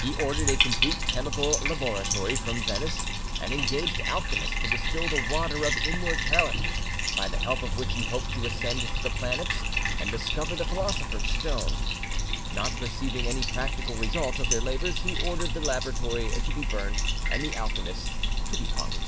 He ordered a complete chemical laboratory from Venice, and engaged alchemists to distill the water of immortality, by the help of which he hoped to ascend to the planets and discover the Philosopher's Stone. Not perceiving any practical result of their labours, he ordered, the laboratory to be burnt and the alchemists to be hung.